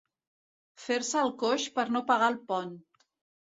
Fer-se el coix per no pagar el pont.